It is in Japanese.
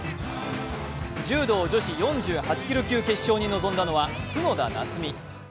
柔道女子４８キロ級決勝に臨んだのは角田夏実。